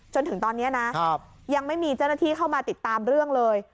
จนถึงตอนนี้นะยังไม่มีเจ้าหน้าที่เข้ามาติดตามเรื่องเลย